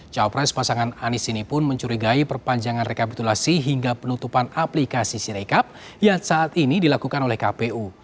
cawapres pasangan anies ini pun mencurigai perpanjangan rekapitulasi hingga penutupan aplikasi sirekap yang saat ini dilakukan oleh kpu